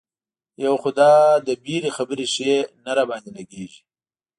یو خو دا د وېرې خبرې ښې نه را باندې لګېږي.